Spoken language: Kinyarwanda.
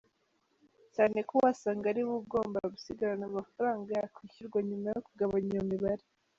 Cyane ko uwasanga ariwe ugomba gusigarana amafaranga yakwishyurwa nyuma yo kugabanya iyo mibare.